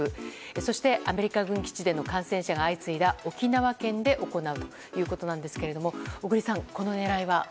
そして、アメリカ軍基地での感染者が相次いだ沖縄県で行うということなんですが小栗さん、この狙いは。